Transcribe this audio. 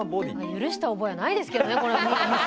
許した覚えはないですけどね